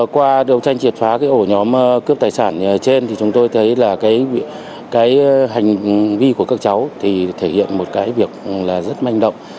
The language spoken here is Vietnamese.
qua điều tranh triệt phá ổ nhóm cướp tài sản trên chúng tôi thấy hành vi của các cháu thể hiện một việc rất manh động